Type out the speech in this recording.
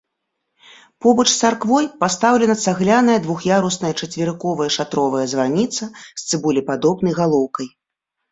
Побач з царквой пастаўлена цагляная двух'ярусная чацверыковая шатровая званіца з цыбулепадобнай галоўкай.